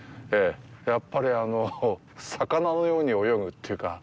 やっぱり魚のように泳ぐっていうか。